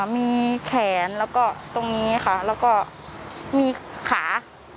มีแขนแล้วก็ตรงนี้มีขา